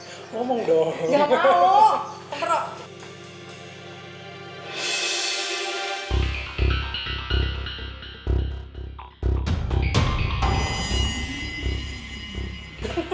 tuh kan kamu emang jahil banget ya taro kayak itu loh lihat